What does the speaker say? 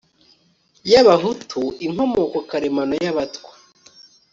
y abahutu inkomoko karemano y abatwa